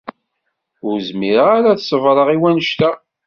Ur zmireɣ ara ad sebreɣ i wannect-a.